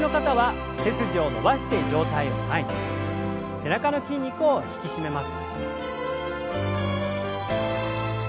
背中の筋肉を引き締めます。